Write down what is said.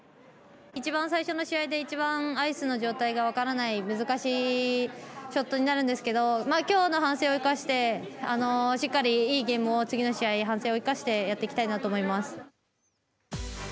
一番最初の試合で一番アイスの状態が分からない難しいショットになるんですけどきょうの反省を生かしてしっかり、いいゲームを次の試合反省を生かしてやっていきたいなと思います。